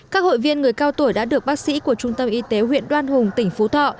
các hội viên người cao tuổi đã được bác sĩ của trung tâm y tế huyện đoan hùng tỉnh phú thọ